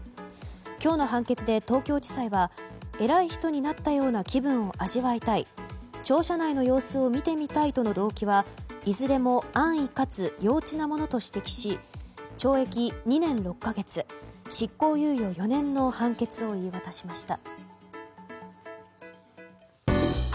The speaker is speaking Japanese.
今日の判決で東京地裁は偉い人になったような気分を味わいたい庁舎内の様子を見てみたいとの動機はいずれも安易かつ幼稚なものと指摘し懲役２年６か月、執行猶予４年の判決を言い渡しました。